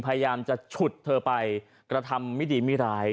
พยายามจะฉุดเธอไปกระทำไม่ดีไม่ร้าย